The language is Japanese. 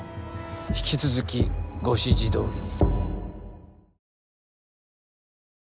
引き続きご指示どおりに。